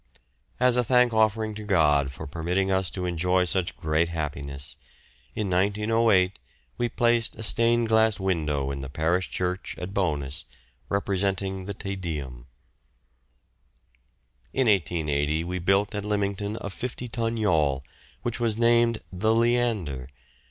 As a thankoffering to God for permitting us to enjoy such great happiness, in 1908 we placed a stained glass window in the Parish Church at Bowness representing the Te Deum. In 1880 we built at Lymington a fifty ton yawl, which was named the "Leander."